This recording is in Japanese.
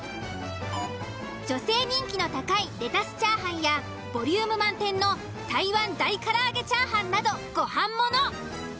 女性人気の高いレタスチャーハンやボリューム満点の台湾大からあげチャーハンなどご飯もの。